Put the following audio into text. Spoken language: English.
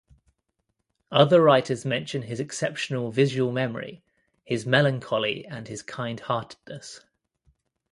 Other writers mention his exceptional visual memory, his melancholy and his kind-heartedness.